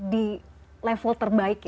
di level terbaik ya